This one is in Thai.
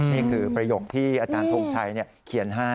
ประโยคที่อาจารย์ทงชัยเขียนให้